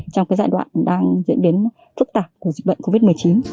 trong cái giai đoạn đang diễn biến phức tạp của dịch bệnh covid một mươi chín